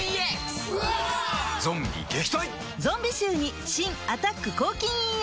ゾンビ臭に新「アタック抗菌ＥＸ」